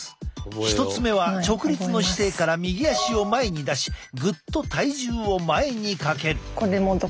１つ目は直立の姿勢から右足を前に出しぐっと体重を前にかける。